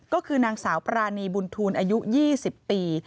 ก็คือนางสาวปรานีบุญทูลอายุ๒๐ปี